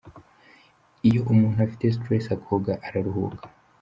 Iyo umuntu afite stress akoga araruhuka.